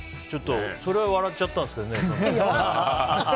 それは笑っちゃったんですけどね。